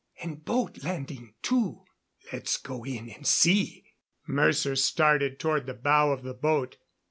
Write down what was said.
And boat landing, too." "Let's go in and see." Mercer started toward the bow of the boat.